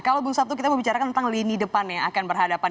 kalau bu sabto kita mau bicara tentang lini depan yang akan berhadapan